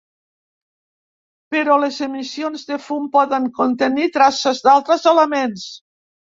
Però, les emissions de fum poden contenir traces d'altres elements.